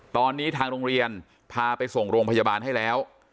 ตอนนี้ทางโรงเรียนพาไปส่งโรงพยาบาลให้แล้ว